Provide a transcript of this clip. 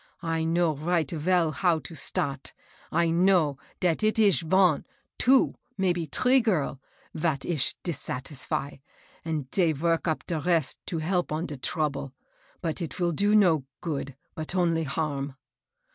I know right veil how it start, — I know dat it ish von — two — maybe tree girl, vat ish dissatisfy, and dey vork up de rest to help on de trouble. But it vill do no good, but only harm.